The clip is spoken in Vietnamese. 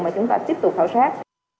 mà chúng ta tiếp tục khảo sát